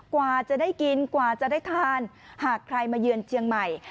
กว่าจะได้กินกว่าจะได้ทานหากใครมาเยือนเชียงใหม่